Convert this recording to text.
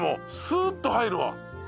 スーッと入るわ。